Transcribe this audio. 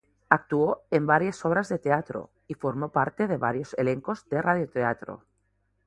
Actuó en varias obras de teatro y formó parte de varios elencos de radioteatro.